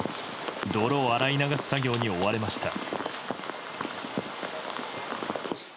泥を洗い流す作業に追われました。